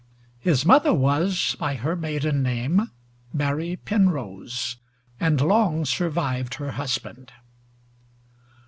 His mother was, by her maiden name, Mary Penrose, and long survived her husband.